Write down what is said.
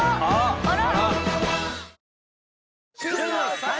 あら！